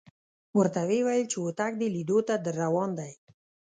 ورته وېویل چې هوتک د لیدو ته درروان دی.